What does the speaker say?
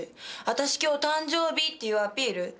「私今日誕生日」っていうアピール？